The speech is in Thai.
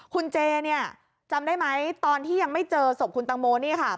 คุณเจเนี่ยจำได้ไหมตอนที่ยังไม่เจอศพคุณตังโมนี่ค่ะ